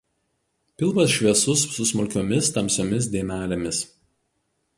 Pilvas šviesus su smulkiomis tamsiomis dėmelėmis.